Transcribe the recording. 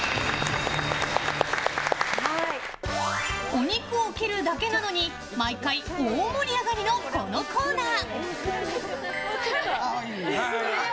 お肉を切るだけなのに毎回、大盛り上がりのこのコーナー。